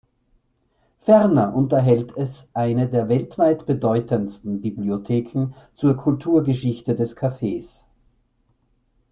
Ferner unterhält es eine der weltweit bedeutendsten Bibliotheken zur Kulturgeschichte des Kaffees.